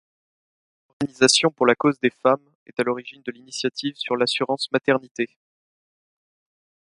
L’Organisation pour la cause des femmes est à l’origine de l’initiative sur l’assurance-maternité.